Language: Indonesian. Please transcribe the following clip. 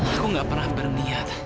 aku gak pernah berniat